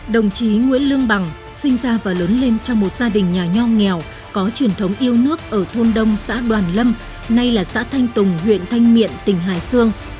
đồng chí nguyễn lương bằng sinh ra và lớn lên trong một gia đình nhà nho nghèo có truyền thống yêu nước ở thôn đông xã đoàn lâm nay là xã thanh tùng huyện thanh miện tỉnh hải sương